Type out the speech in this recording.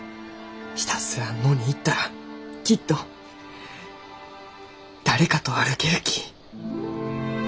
ひたすら野に行ったらきっと誰かと歩けるき。